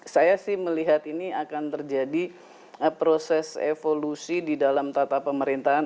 saya sih melihat ini akan terjadi proses evolusi di dalam tata pemerintahan